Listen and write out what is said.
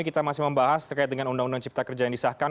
kita masih membahas terkait dengan undang undang cipta kerja yang disahkan